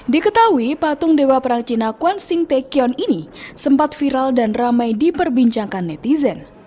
diketahui patung dewa perang cina kwan sing tekion ini sempat viral dan ramai diperbincangkan netizen